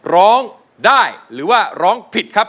ร้องได้หรือว่าร้องผิดครับ